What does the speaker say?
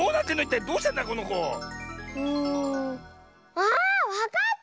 ああっわかった！